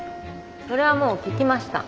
それはもう聞きました。